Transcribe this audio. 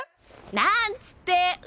なんつって！